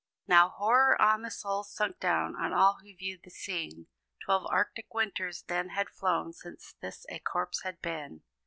Now horror on the souls sunk down On all who viewed the scene; Twelve arctic winters then had flown, Since this a corpse had been!